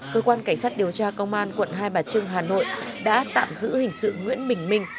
cơ quan cảnh sát điều tra công an quận hai bà trưng hà nội đã tạm giữ hình sự nguyễn bình minh